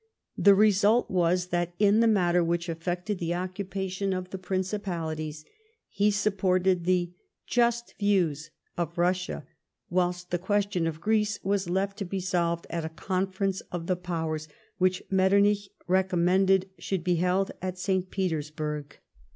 The result was that in the matter which affected the occupation of the Principalities he sup])orted the "just views " of Russia, whilst the question of Greece was left to be solved at a Conference of the Powers, which, Metter uich rect)mmended, should be held at St. Petersburg.